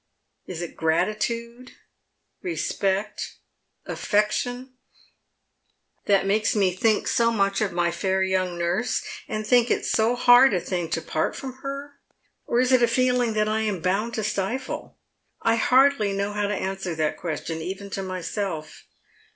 Is it gratitude — respect — aifection — that makes me think so much of my fair young nurse, and think it so hard a thing to part from her? Or is it a feeling that I am bound to stifle ? 1 hardly know how to answer that question even to mj'self.